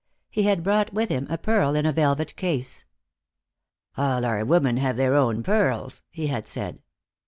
He had brought with him a pearl in a velvet case. "All our women have their own pearls," he had said.